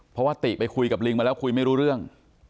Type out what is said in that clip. เพราะว่าติไปคุยกับลิงมาแล้วคุยไม่รู้เรื่อง